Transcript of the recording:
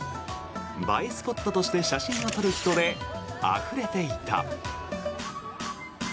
映えスポットとして写真を撮る人であふれていた。